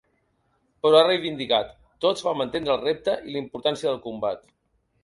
Però ha reivindicat: Tots vam entendre el repte i la importància del combat.